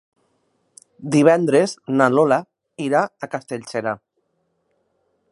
Divendres na Lola irà a Castellserà.